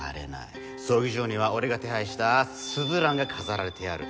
葬儀場には俺が手配した鈴蘭が飾られてある。